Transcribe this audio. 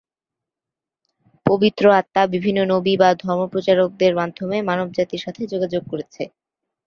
পবিত্র আত্মা বিভিন্ন নবী বা ধর্মপ্রচারকদের মাধ্যমে মানবজাতির সাথে যোগাযোগ করেছে।